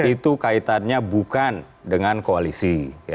itu kaitannya bukan dengan koalisi